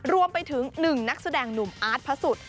รวมไปถึง๑นักแสดงหนุ่มอาร์ตพระสุทธิ์